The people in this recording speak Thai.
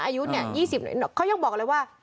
อายุเนี่ย๒๐เขายังบอกอะไรว่า